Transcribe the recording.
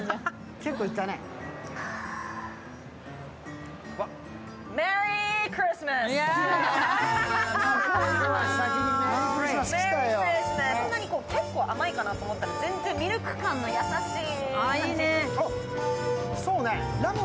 結構甘いかなと思ったら全然、ミルク感の優しい。